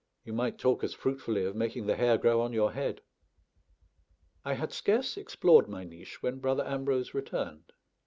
You might talk as fruitfully of making the hair grow on your head. I had scarce explored my niche when Brother Ambrose returned.